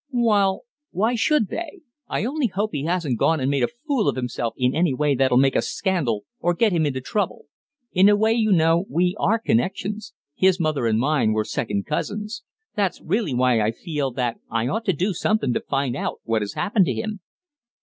"Well, why should they? I only hope he hasn't gone and made a fool of himself in any way that'll make a scandal or get him into trouble. In a way, you know, we are connections. His mother and mine were second cousins. That's really why I feel that I ought to do somethin' to find out what has happened to him.